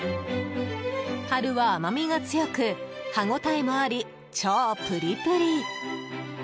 春は甘みが強く、歯ごたえもあり超プリプリ。